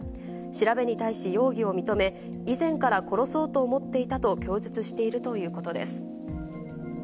調べに対し容疑を認め、以前から殺そうと思っていたと供述しているということです。